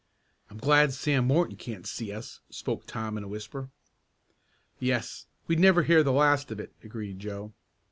"I'm glad Sam Morton can't see us," spoke Tom in a whisper. "Yes; we'd never hear the last of it," agreed Joe.